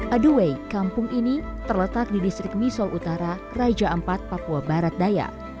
aduwe kampung ini terletak di distrik misol utara raja empat papua barat dayak